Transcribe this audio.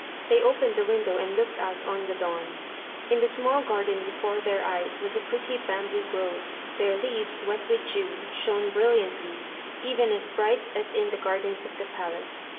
They opened the window and looked out on the dawn. In the small garden before their eyes was a pretty bamboo grove; their leaves, wet with dew, shone brilliantly, even as bright as in the gardens of the palace.